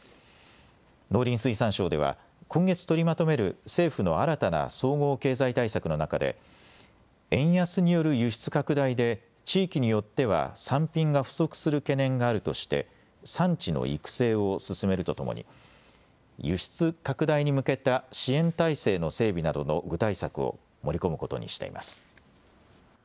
農林水産省では今月取りまとめる政府の新たな総合経済対策の中で円安による輸出拡大で地域によっては産品が不足する懸念があるとして産地の育成を進めるとともに輸出拡大に向けた支援体制の整備などの具体策を盛り込むことにしています。